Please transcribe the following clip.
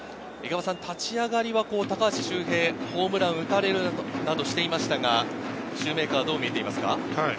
立ち上がりはホームランを打たれるなどしていましたが、シューメーカー、どう見ていますか？